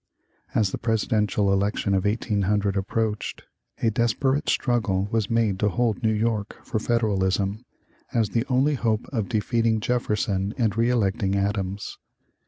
As the presidential election of 1800 approached, a desperate struggle was made to hold New York for Federalism as the only hope of defeating Jefferson and reëlecting Adams.